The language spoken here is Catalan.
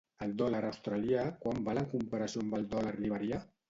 El dòlar australià quant val en comparació amb el dòlar liberià?